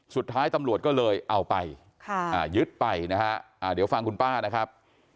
สุดท้ายตำรวจก็เลยเอาไปยึดไปนะฮะเดี๋ยวฟังคุณป้านะครับ